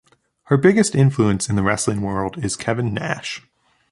Her biggest influence in the wrestling world is Kevin Nash.